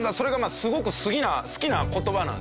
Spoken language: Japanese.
すごく好きな言葉なんですよね。